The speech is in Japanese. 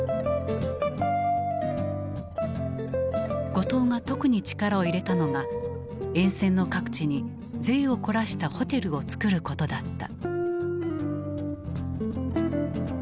後藤が特に力を入れたのが沿線の各地に贅を凝らしたホテルを造ることだった。